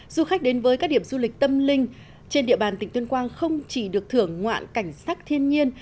du khách đến với các điểm du lịch tâm linh trên địa bàn tỉnh tuyên quang không chỉ được thưởng ngoạn cảnh sắc thiên nhiên